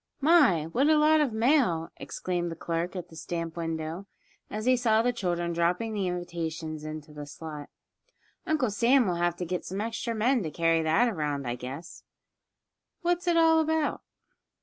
"My! what a lot of mail!" exclaimed the clerk at the stamp window, as he saw the children dropping the invitations into the slot. "Uncle Sam will have to get some extra men to carry that around, I guess. What's it all about?"